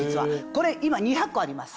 これ今２００個あります。